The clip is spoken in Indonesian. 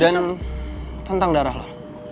dan tentang darah lo